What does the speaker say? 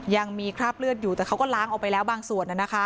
ยังมีคราบเลือดอยู่แต่เขาก็ล้างออกไปแล้วบางส่วน